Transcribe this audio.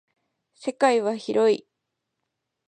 世界は広い。